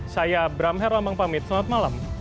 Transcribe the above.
saya bramher rambang pamit selamat malam